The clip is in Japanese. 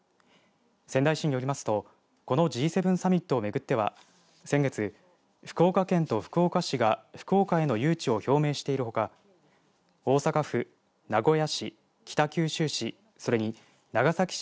仙台市によりますとこのＧ７サミットをめぐっては先月、福岡県と福岡市が福岡への誘致を表明しているほか大阪府、名古屋市、北九州市